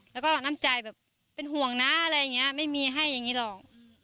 แล้วก็น้ำใจแบบเป็นห่วงนะอะไรอย่างนี้ไม่มีให้อย่างนี้หรอก